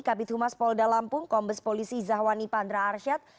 kapit huma spolda lampung kombes polisi zahwani pandra arsyad